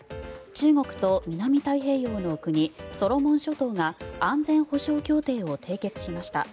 中国と南太平洋の国ソロモン諸島が安全保障協定を締結しました。